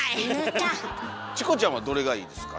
チコちゃんはどれがいいですか？